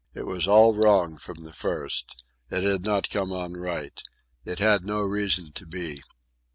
It was all wrong from the first. It had not come on right. It had no reason to be.